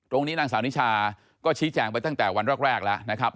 นางสาวนิชาก็ชี้แจงไปตั้งแต่วันแรกแล้วนะครับ